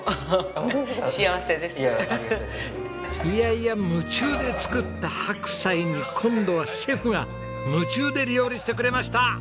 いやいや夢中で作った白菜に今度はシェフが夢中で料理してくれました！